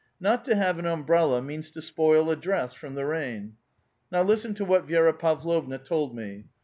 Not to have an umbrella means to spoil a dress from the rain. Now listen to what Vi6ra Pavlovna told me.